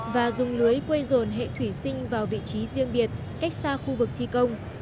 và dùng lưới quây rồn hệ thủy sinh vào vị trí riêng biệt cách xa khu vực thi công